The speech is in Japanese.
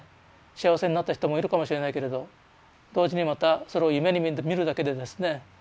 幸せになった人もいるかもしれないけれど同時にまたそれを夢にみるだけでですね